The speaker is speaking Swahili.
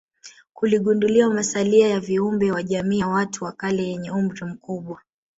Kuligunduliwa masalia ya viumbe wa jamii ya watu wa kale yenye umri mkubwa